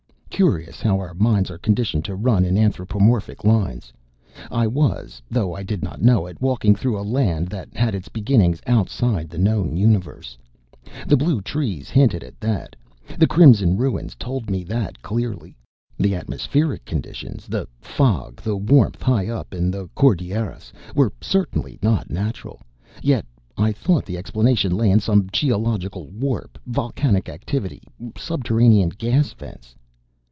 Curious how our minds are conditioned to run in anthropomorphic lines. I was, though I did not know it, walking through a land that had its beginnings outside the known universe. The blue trees hinted at that. The crimson ruins told me that clearly. The atmospheric conditions the fog, the warmth high up in the Cordilleras were certainly not natural. Yet I thought the explanation lay in some geological warp, volcanic activity, subterranean gas vents....